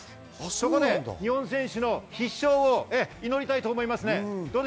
そこで日本選手の必勝を祈りたいと思います。